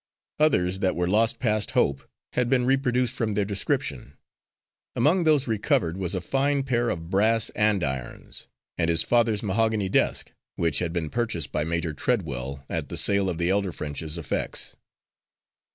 Others that were lost past hope, had been reproduced from their description. Among those recovered was a fine pair of brass andirons, and his father's mahogany desk, which had been purchased by Major Treadwell at the sale of the elder French's effects.